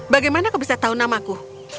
bagaimana aku bisa tahu namaku